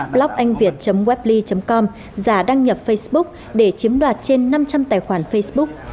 bloganhviet webley com giả đăng nhập facebook để chiếm đoạt trên năm trăm linh tài khoản facebook